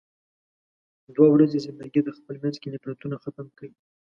دوه ورځې زندګی ده، خپل مينځ کې نفرتونه ختم کې.